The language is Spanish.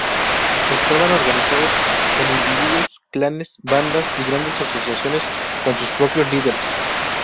Estaban organizados en individuos, clanes, bandas y grandes asociaciones con sus propios líderes.